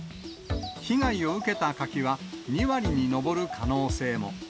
被害を受けた柿は、２割に上る可能性も。